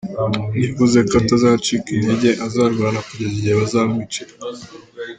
Yavuze ko atazacika intege, azarwana kugeza igihe bazamwicira.